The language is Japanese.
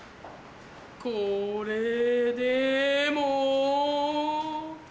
これでも？